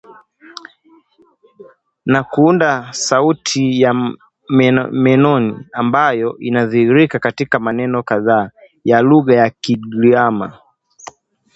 na kuunda sauti ya menoni ambayo inadhihirika katika maneno kadhaa ya lugha ya Kigiriama